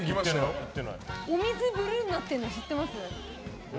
お水、ブルーになってるの知ってます？